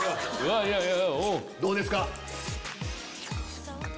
どうですか？